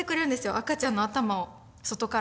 赤ちゃんの頭を外から。